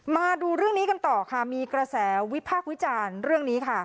มาดูเรื่องนี้กันต่อค่ะมีกระแสวิพากษ์วิจารณ์เรื่องนี้ค่ะ